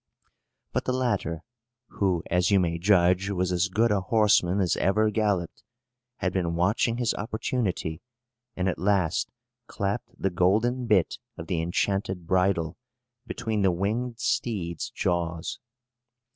But the latter (who, as you may judge, was as good a horseman as ever galloped) had been watching his opportunity, and at last clapped the golden bit of the enchanted bridle between the winged steed's jaws.